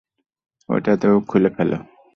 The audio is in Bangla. ওটাও খুলে ফেলো।